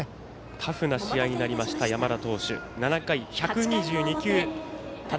タフな試合になりました山田投手、７回１２２球。